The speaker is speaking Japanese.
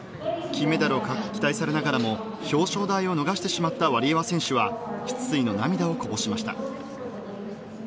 金メダルを期待されながらも表彰台を逃してしまったワリエワ選手は失意の涙をこぼしました。